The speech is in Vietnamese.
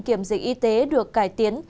kiểm dịch y tế được cải tiến